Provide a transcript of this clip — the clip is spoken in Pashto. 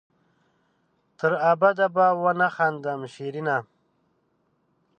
تر ابده به ونه خاندم شېرينه